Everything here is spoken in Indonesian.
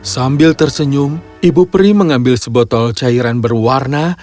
sambil tersenyum ibu peri mengambil sebotol cairan berwarna